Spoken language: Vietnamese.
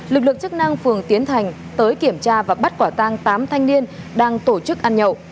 lực lượng chức năng phường tiến thành tới kiểm tra và bắt quả tang tám thanh niên đang tổ chức ăn nhậu